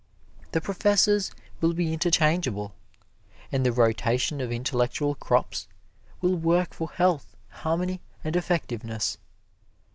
The professors will be interchangeable, and the rotation of intellectual crops will work for health, harmony and effectiveness.